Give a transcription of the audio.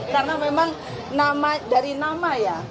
karena memang dari nama ya